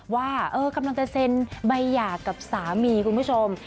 ว่ากำลังจะเซ็นใบหย่ากับสามีคุณผู้ชม